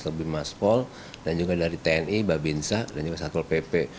lebih mas pol dan juga dari tni babin zak dan juga satul pp